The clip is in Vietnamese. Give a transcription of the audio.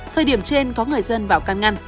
thời điểm trên có người dân vào căn ngăn